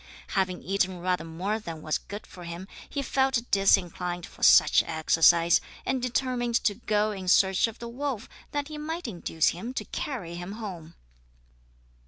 Having eaten rather more than was good for him, he felt disinclined for much exercise, and determined to go in search of the wolf that he might induce him to carry him home.